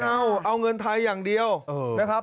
เอาเอาเงินไทยอย่างเดียวนะครับ